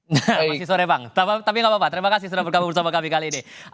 nah masih sore bang tapi gak apa apa terima kasih sudah bergabung bersama kami kali ini